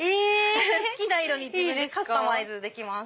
好きな色に自分でカスタマイズできます。